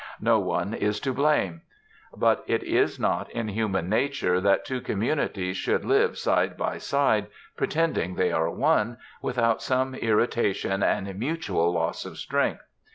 No one is to blame. But it is not in human nature that two communities should live side by side, pretending they are one, without some irritation and mutual loss of strength.